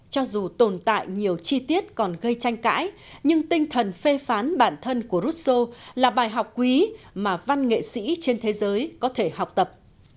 cho dù tồn tại nhiều chi tiết còn gây tranh cãi nhưng tinh thần phê phán bản thân của ruso là bài học quý mà văn nghệ sĩ trên thế giới có thể học tập